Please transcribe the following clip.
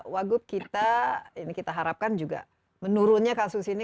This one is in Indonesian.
wagub kita ini kita harapkan juga menurunnya kasus ini